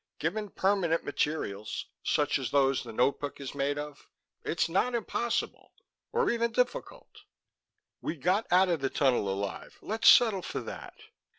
"Given permanent materials, such as those the notebook is made of, it's not impossible or even difficult." "We got out of the tunnel alive. Let's settle for that."